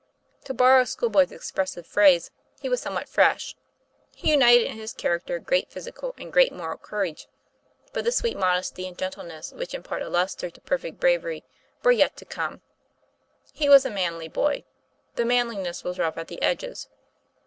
To borrow a schoolboy's expressive phrase, he was somewhat "fresh.'' He united in his character great physical and great moral courage, but the sweet modesty and gentleness which impart a lustre to perfect bravery were yet to come. He was a manly boy; the manliness was rough at the edges.